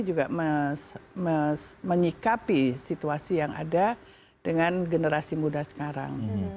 juga menyikapi situasi yang ada dengan generasi muda sekarang